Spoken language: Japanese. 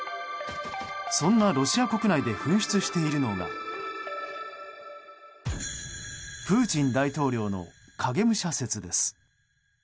そんなロシア国内で噴出しているのがプーチン大統領の影武者説です。